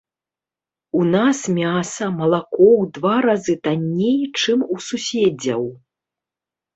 У нас мяса, малако ў два разы танней, чым у суседзяў.